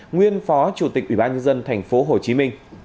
nguyên phó chủ tịch ủy ban nhân dân tp hcm